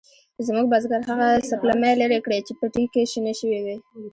زموږ بزگر هغه سپلمۍ لرې کړې چې پټي کې شنې شوې وې.